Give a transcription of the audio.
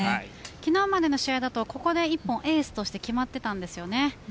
昨日までの試合だとここで一本エースとして決まっていたんです。